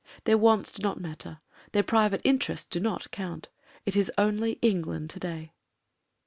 Their wants do not matter ; their private interests do not count : it is only England to day.